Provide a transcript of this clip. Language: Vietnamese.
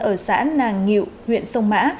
ở xã nàng nghiệu huyện sông mã